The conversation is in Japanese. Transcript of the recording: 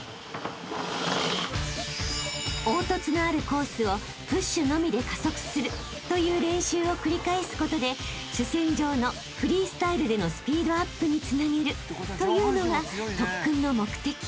［凹凸のあるコースをプッシュのみで加速するという練習を繰り返すことで主戦場のフリースタイルでのスピードアップにつなげるというのが特訓の目的］